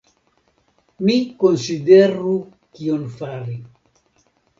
Mi konsideru kion fari.